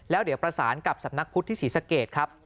แล้วเดี๋ยวประสานกับสำนักพุทธที่ศรีสเกตครับ